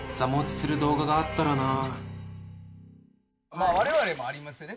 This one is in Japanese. まあ我々もありますよね